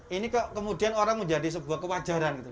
ini kemudian orang menjadi sebuah kampanye